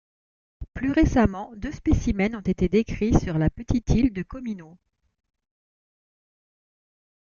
Plus récemment, deux spécimens ont été décrits sur la petite île de Comino.